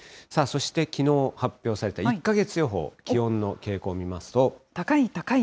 そしてきのう、発表された１か月予報、気温の傾向見ますと。